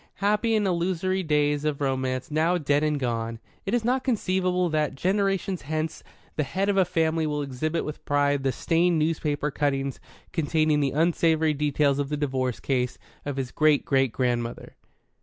Happy and illusory days of Romance now dead and gone! It is not conceivable that, generations hence, the head of a family will exhibit with pride the stained newspaper cuttings containing the unsavoury details of the divorce case of his great great grandmother.